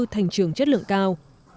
thành trường chất lượng cao